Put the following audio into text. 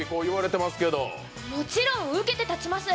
もちろん受けて立ちます。